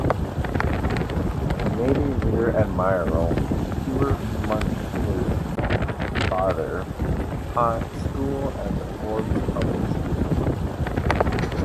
Navy Rear Admiral Stuart Munsch's father taught school at the Forbes Public School.